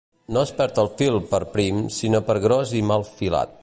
No es perd el fil per prim, sinó per gros i mal filat.